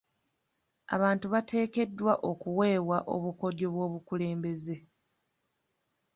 Abantu bateekeddwa okuweebwa obukodyo bw'obukulembeze.